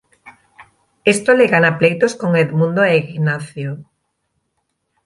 Esto le gana pleitos con Edmundo e Ignacio.